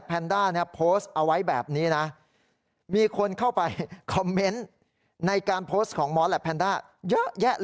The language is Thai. แพนเนอร์พอสต์เอาไว้แบบนี้น่ะมีคนเข้าไปคอมเมนต์ในการของมอร์จะ